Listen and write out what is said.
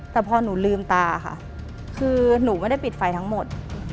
แต่พอหนูลืมตาค่ะคือหนูไม่ได้ปิดไฟทั้งหมด